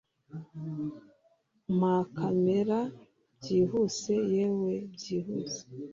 Mpa kamera byihuse yewe byihuse